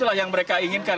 itulah yang mereka inginkan